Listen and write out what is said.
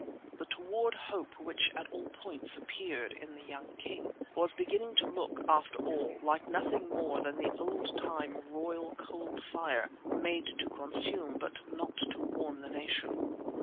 "The toward hope which at all poyntes appeared in the younge Kynge" was beginning to look, after all, like nothing more than the old time royal cold fire, made to consume but not to warm the nation.